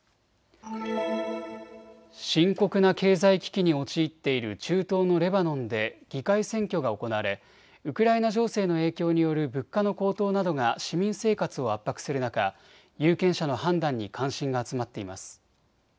深刻な経済危機に陥っている中東のレバノンで議会選挙が行われウクライナ情勢の影響による物価の高騰などが市民生活を圧迫する中、有権者の判断に関心が集まっています。